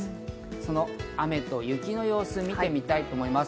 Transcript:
その雨と雪の様子を見てみたいと思います。